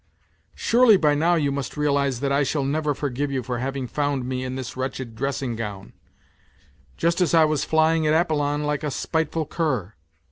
Surely by now you must realize that I shall never forgive you for having found me in this wretched dressing gown, just as I was flying at Apollon like a spiteful cur.